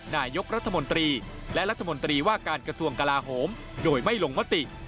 นายกรัฐมนตรีและรัฐมนตรีว่าการกระทรวงกลาโหมโดยไม่ลงมติ